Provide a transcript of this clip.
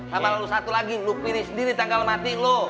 sama lu satu lagi lu pilih sendiri tanggal mati lu